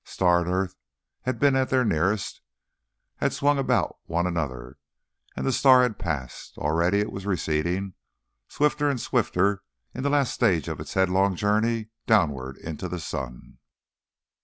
Star and earth had been at their nearest, had swung about one another, and the star had passed. Already it was receding, swifter and swifter, in the last stage of its headlong journey downward into the sun.